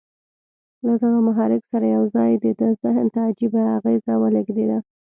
له دغه محرک سره یو ځای د ده ذهن ته عجيبه اغېز ولېږدېد